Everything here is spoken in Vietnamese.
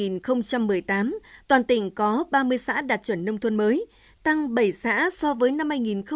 năm hai nghìn một mươi tám toàn tỉnh có ba mươi xã đạt chuẩn nông thôn mới tăng bảy xã so với năm hai nghìn một mươi bảy